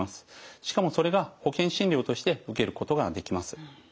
しかもそれが保険診療として受けることができます。